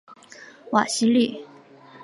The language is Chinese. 瓦西利。